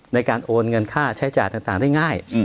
ในการโอนเงินค่าใช้จ่ายต่างได้ง่าย